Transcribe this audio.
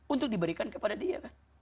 untuk diberikan kepada dia kan